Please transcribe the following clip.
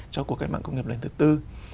cho cuộc cái mạng công nghiệp lần thứ tư